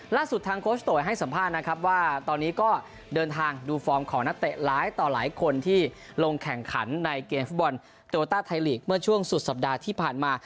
ล่าสุดทางโคชโตยให้สัมภาษณ์นะครับว่าตอนนี้ก็เดินทางดูฟอร์มของนักเตะหลายต่อหลายคนที่ลงแข่งขันในเกมฟุตบอลโตต้าไทยลีกเมื่อช่วงสุดสัปดาห์ที่ผ่านมา